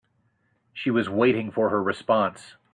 She was waiting for her response.